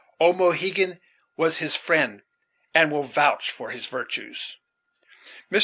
Old Mohegan was his friend, and will vouch for his virtues." Mr.